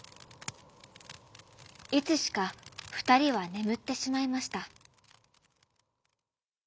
いつしかふたりはねむってしまいました。